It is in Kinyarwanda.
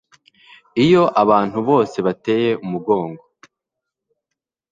iyo abantu bose bateye umugongo